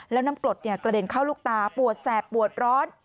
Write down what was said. แล้วน้ำกรดกระเด็นเข้าลูกตาปวดแสบปวดร้อน